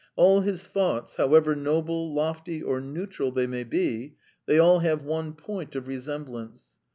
All his thoughts, however noble, lofty, or neutral they may be, they all have one point of resemblance.